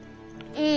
うん。